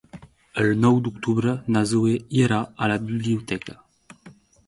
El nou d'octubre na Zoè irà a la biblioteca.